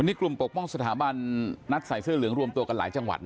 นี่กลุ่มปกป้องสถาบันนัดใส่เสื้อเหลืองรวมตัวกันหลายจังหวัด